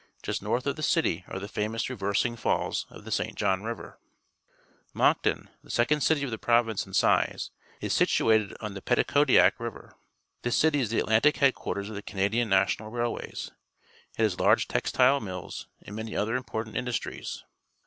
Just north o f the city are the famous "Rever sing Fall s" of the St. John River. M_ oncton, the second city of the pro\'ince in size, is situated on the Petitcodiac River. This city is the AElanfJc __headquarteYs o£ the Canadian National Railways. It has large textile mills and many other important industries.